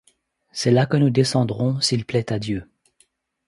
C’est là que nous descendrons, s’il plaît à Dieu!